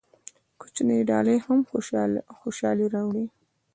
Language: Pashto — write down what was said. کوچنۍ ډالۍ هم خوشحالي راوړي.